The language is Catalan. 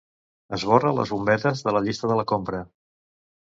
Esborra les bombetes de la llista de la compra.